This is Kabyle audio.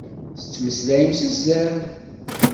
Tettmeslayem s zzerb.